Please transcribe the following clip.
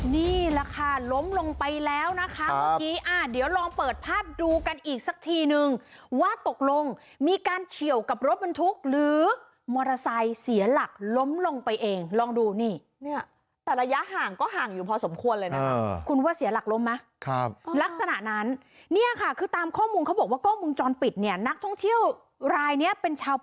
นี่แหละค่ะล้มลงไปแล้วนะคะเมื่อกี้อ่าเดี๋ยวลองเปิดภาพดูกันอีกสักทีนึงว่าตกลงมีการเฉียวกับรถบรรทุกหรือมอเตอร์ไซค์เสียหลักล้มลงไปเองลองดูนี่เนี่ยแต่ระยะห่างก็ห่างอยู่พอสมควรเลยนะคะคุณว่าเสียหลักล้มไหมครับลักษณะนั้นเนี่ยค่ะคือตามข้อมูลเขาบอกว่ากล้องมุมจรปิดเนี่ยนักท่องเที่ยวรายเนี้ยเป็นชาว